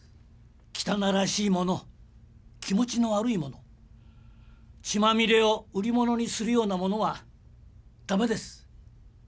汚らしいもの気持ちの悪いもの血まみれを売り物にするようなものは駄目です。